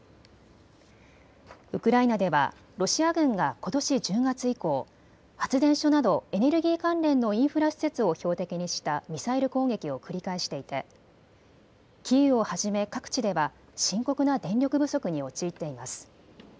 ウクライナではロシア軍がことし１０月以降、発電所などエネルギー関連のインフラ施設を標的にしたミサイル攻撃を繰り返していてキーウをはじめ各地では深刻な電力不足に陥っています。